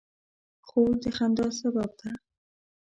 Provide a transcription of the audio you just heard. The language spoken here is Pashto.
خور د خندا سبب ده.